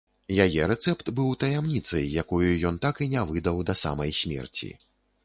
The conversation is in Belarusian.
Яе рэцэпт быў таямніцай, якую ён так і не выдаў да самай смерці.